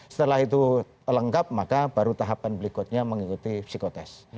setelah itu lengkap maka baru tahapan berikutnya mengikuti psikotest